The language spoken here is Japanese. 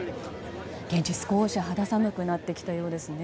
現地、少し肌寒くなってきたようですね。